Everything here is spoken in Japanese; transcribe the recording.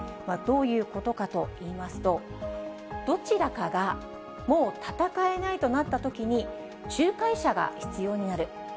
どういうことかといいますと、どちらかがもう戦えないとなったときに、仲介者が必要になる。